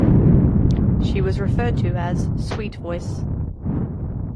She was referred to as "sweet voice".